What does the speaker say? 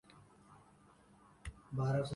ہم بہت کچھ غیر شعوری سطح پر بھی کر رہے ہوتے ہیں۔